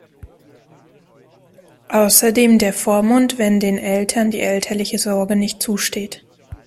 Außerdem der Vormund, wenn den Eltern die elterliche Sorge nicht zusteht.